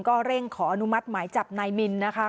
ก็เร่งขออนุมัติหมายจับนายมินนะคะ